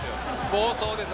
暴走です